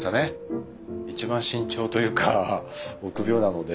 一番慎重というか臆病なので。